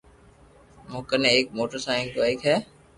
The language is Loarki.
مون ڪني ايڪ موٽر بائيڪ ھي